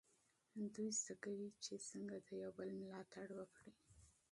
دوی زده کوي چې څنګه د یو بل ملاتړ وکړي.